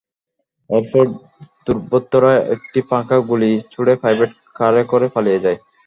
এরপর দুর্বৃত্তরা একটি ফাঁকা গুলি ছুড়ে প্রাইভেট কারে করে পালিয়ে যায়।